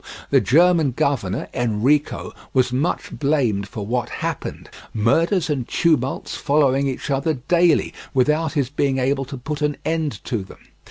The German governor, Enrico, was much blamed for what happened—murders and tumults following each other daily, without his being able to put an end to them.